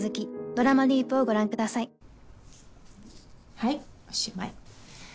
はいおしまい。